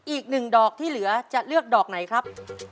อีกหนึ่งดอกที่เหลือจะเลือกดอกไหนครับ